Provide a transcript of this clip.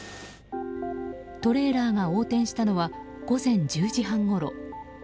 トレーラーが横転したのは午前１０時半ごろ。